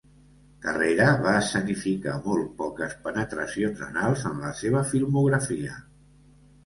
Carrera va escenificar molt poques penetracions anals en la seva filmografia.